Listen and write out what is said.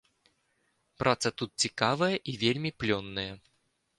Праца тут цікавая і вельмі плённая.